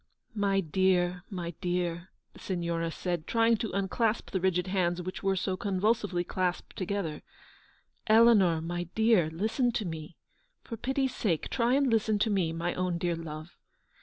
" My dear, my dear," the Signora said, trying to unclasp the rigid hands which were so convul sively clasped together. " Eleanor, my dear, listen to me; for pity's sake try and listen to me, my own dear love.